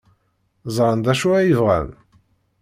Ẓran d acu ay bɣan.